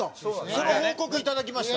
その報告いただきました。